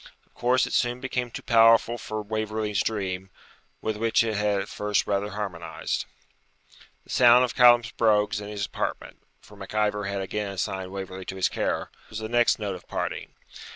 Of course it soon became too powerful for Waverley's dream, with which it had at first rather harmonised. The sound of Callum's brogues in his apartment (for Mac Ivor had again assigned Waverley to his care) was the next note of parting.